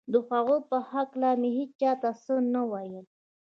د هغو په هکله مې هېچا ته څه نه ویل